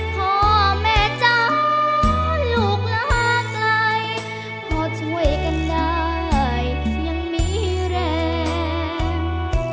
พ่อแม่จ้าลูกลาไกลก็ช่วยกันได้ยังมีแรง